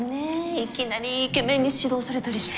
いきなりイケメンに指導されたりして。